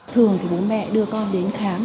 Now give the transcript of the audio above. thường thì mỗi mẹ đưa con đến khám